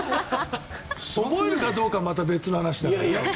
覚えるかどうかはまた別の話。